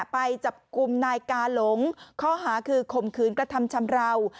ไปจับกลุ่มนายกาหลงข้อหาคือข่มขืนกระทำชำราว